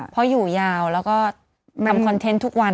เพราะอยู่ยาวแล้วก็ทำคอนเทนต์ทุกวัน